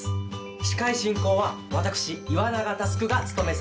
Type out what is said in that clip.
司会進行は私岩永佑が務めさせて頂きます。